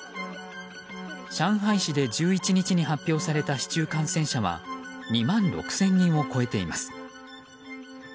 上海市で１１日に発表された市中感染者は２万６０００人を超えています。